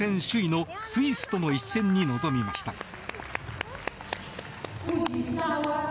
首位のスイスとの一戦に臨みました。